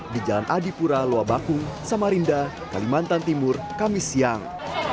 di jalan adipura luabaku samarinda kalimantan timur kamis siang